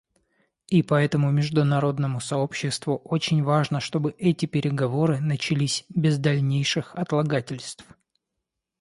И поэтому международному сообществу очень важно, чтобы эти переговоры начались без дальнейших отлагательств.